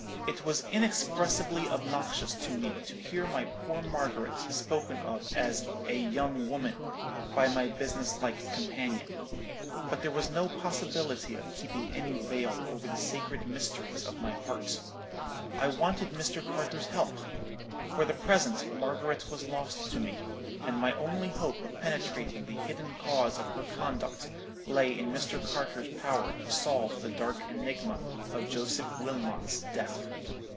It was inexpressibly obnoxious to me to hear my poor Margaret spoken of as 'a young woman' by my business like companion. But there was no possibility of keeping any veil over the sacred mysteries of my heart. I wanted Mr. Carter's help. For the present Margaret was lost to me; and my only hope of penetrating the hidden cause of her conduct lay in Mr. Carter's power to solve the dark enigma of Joseph Wilmot's death.